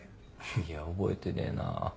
いや覚えてねえなぁ。